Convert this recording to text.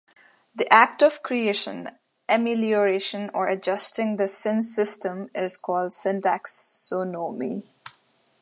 The act of creation, amelioration or adjusting the synsystem is called "syntaxonomy".